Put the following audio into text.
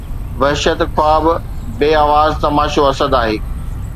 وحشت، خواب، بي آواز تماشو اسد آهي